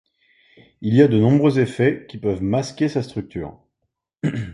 Il y a de nombreux effets qui peuvent masquer sa structure.